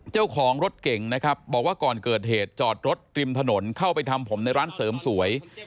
เจ้าของรถเก่งนะครับบอกว่าก่อนเกิดเหตุจอดรถริมถนนเข้าไปทำผมในร้านเสริมสวย